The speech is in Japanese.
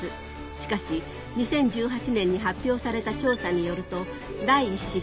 しかし２０１８年に発表された調査によると第１子